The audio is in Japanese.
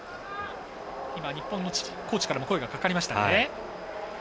日本のコーチからも声がかかりました。